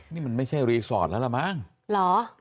นี่มันไม่ใช่รีสอร์ทแล้วล่ะมั้งเหรอ